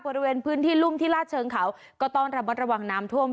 บริเวณพื้นที่รุ่มที่ลาดเชิงเขาก็ต้องระมัดระวังน้ำท่วม